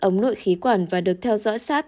ống nội khí quản và được theo dõi sát